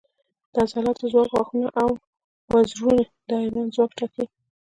د عضلاتو ځواک، غاښونه او وزرونه د حیوان ځواک ټاکي.